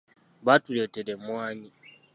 Batuletera emmwanyi.